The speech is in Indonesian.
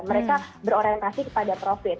mereka berorientasi kepada profit